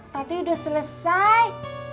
tati udah selesai